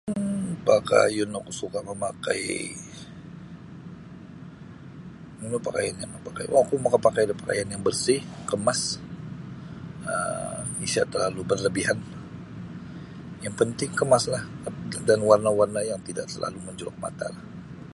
um Pakayun oku suka' mamakai nunu pakayunnyo oku makapakai da pakaian yang bersih kemas um isa' terlalu berlebihan yang penting kemaslah dan warna'-warna' yang tidak selalu' menjolok mata'lah.